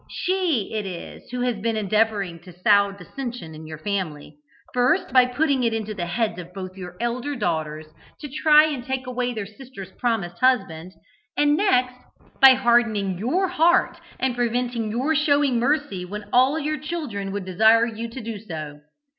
She it is who has been endeavouring to sow dissension in your family, first, by putting it into the heads of both your elder daughters to try and take away their sister's promised husband, and next, by hardening your heart and preventing your showing mercy when all your children would desire you to do so.